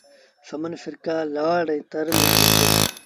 سمن سرڪآر لآڙ ري تر ميݩ رهيتو۔